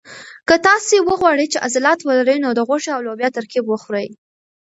که تاسي غواړئ چې عضلات ولرئ نو د غوښې او لوبیا ترکیب وخورئ.